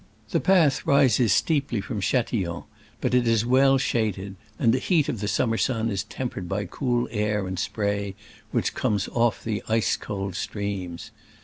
The path rises steeply from Chatillon, but it is well shaded, and the heat of the summer sun is tempered by cool air and spray which comes off the ice cold streams.